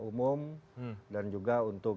umum dan juga untuk